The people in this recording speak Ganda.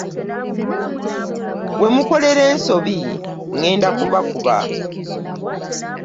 We mukolera ensobi ŋŋenda kubakuba.